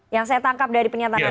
yang saya tangkap dari pernyataan anda